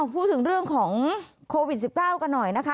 พูดถึงเรื่องของโควิด๑๙กันหน่อยนะคะ